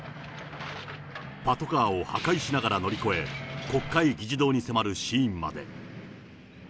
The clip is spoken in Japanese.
パトカーを破壊しながら乗り越え、国会議事堂に迫るシーンまで。